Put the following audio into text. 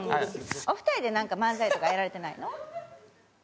お二人でなんか漫才とかやられてないの？